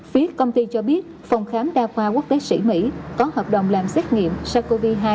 phía công ty cho biết phòng khám đa khoa quốc tế sĩ mỹ có hợp đồng làm xét nghiệm sars cov hai